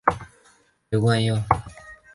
刘冠佑。